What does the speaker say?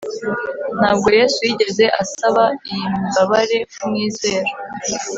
Ntabwo Yesu yigeze asaba iyi mbabare kumwizera.